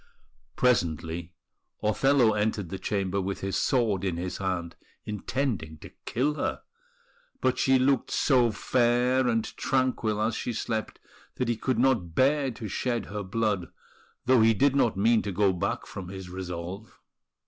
Presently Othello entered the chamber with his sword in his hand, intending to kill her; but she looked so fair and tranquil as she slept that he could not bear to shed her blood, though he did not mean to go back from his resolve.